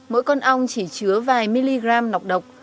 mỗi con ong chỉ chứa vài milligram nọc độc